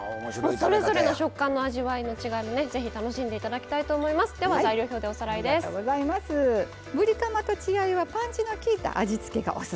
それぞれの食感の違いも、ぜひ楽しんでいただきたいと思います。